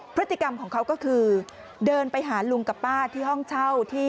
พฤติกรรมของเขาก็คือเดินไปหาลุงกับป้าที่ห้องเช่าที่